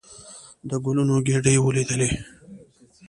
د ګلونو ګېدۍ ولېدلې.